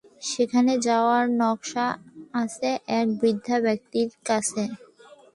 সেখানে যাওয়ার নকশা আছে এক বৃদ্ধ ব্যক্তির কাছে।